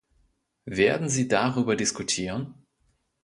Werden Sie darüber diskutieren?